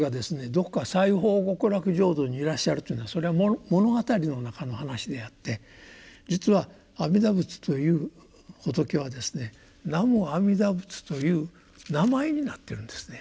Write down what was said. どこか西方極楽浄土にいらっしゃるというのはそれは物語の中の話であって実は阿弥陀仏という仏はですね「南無阿弥陀仏」という名前になってるんですね。